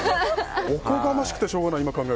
おこがましくてしょうがない